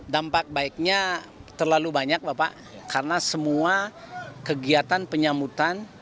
dampak baiknya terlalu banyak bapak karena semua kegiatan penyambutan